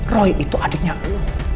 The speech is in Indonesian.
roy itu adiknya lo